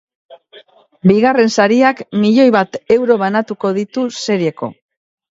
Bigarren sariak milioi bat euro banatuko ditu serieko.